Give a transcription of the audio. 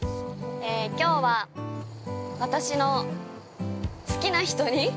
きょうは、私の好きな人に？